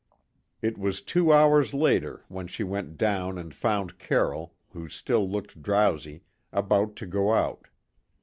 It was two hours later when she went down and found Carroll, who still looked drowsy, about to go out.